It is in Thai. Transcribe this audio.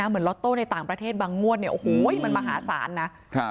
เหมือนล็อตโต้ในต่างประเทศบางมวดมันมหาศาลนะ